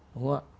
đúng không ạ